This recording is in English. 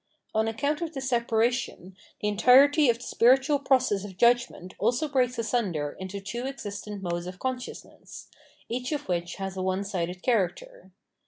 On account of this separation, the entirety of the spiritual process of judgment also breaks asunder into two existent modes of consciousness, each of which has a one sided character.